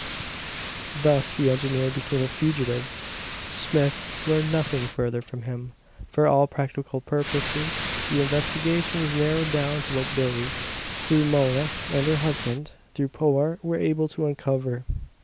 Thus the engineer became a fugitive. Smith learned nothing further from him. For all practical purposes, the investigation was narrowed down to what Billie, through Mona, and her husband, through Powart, were able to uncover.